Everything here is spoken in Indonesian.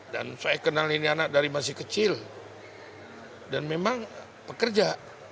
dan saya kenal ini anak dari masih kecil dan memang pekerja